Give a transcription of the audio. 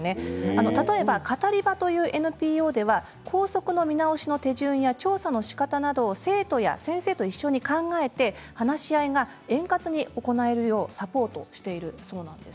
例えばカタリバというＮＰＯでは校則の見直しの手順や調査のしかたなどを生徒や先生と一緒に考えて話し合いが円滑に行えるようにサポートしています。